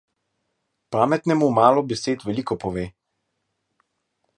Pametnemu malo besed veliko pove.